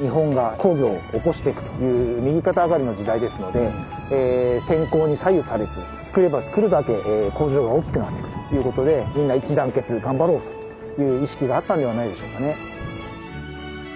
日本が鉱業を興していくという右肩上がりの時代ですので天候に左右されずつくればつくるだけ工場が大きくなっていくということでみんな一致団結で頑張ろうという意識があったんではないでしょうかね。